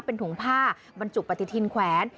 เป็นถุงผ้าบรรจุปฏิทินแขวน